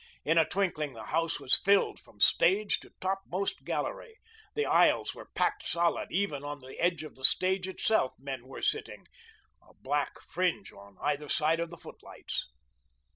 In a twinkling the house was filled from stage to topmost gallery. The aisles were packed solid, even on the edge of the stage itself men were sitting, a black fringe on either side of the footlights.